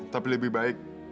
tapi lebih baik